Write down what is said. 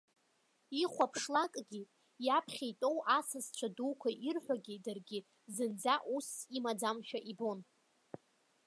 Ихәаԥшлакгьы, иаԥхьа итәоу асасцәа дуқәа ирҳәогьы даргьы зынӡа усс имаӡамшәа ибон.